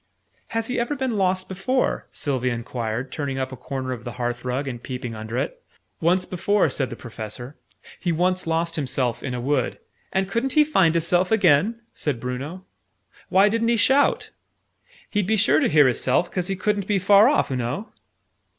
"Has he ever been lost before?" Sylvie enquired, turning up a corner of the hearth rug, and peeping under it. "Once before," said the Professor: "he once lost himself in a wood " "And couldn't he find his self again?" said Bruno. "Why didn't he shout? He'd be sure to hear his self, 'cause he couldn't be far off, oo know."